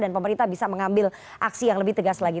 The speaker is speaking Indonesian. dan pemerintah bisa mengambil aksi yang lebih tegas lagi